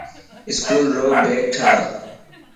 اسڪول رو بيگ ٺاهه.